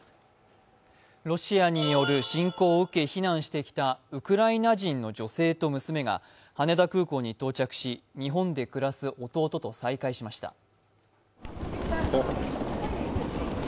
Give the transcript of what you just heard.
ロシアによる侵攻を受け避難してきたウクライナ人の女性と娘が羽田空港に到着し、日本で暮らす弟と再会しました。